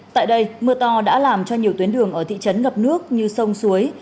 tại đây mưa to đã làm cho nhiều tuyến đường ở thị trấn ngập nước như sông suối